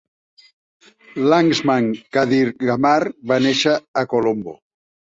Lakshman Kadirgamar va néixer a Colombo.